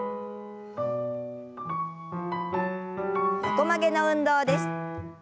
横曲げの運動です。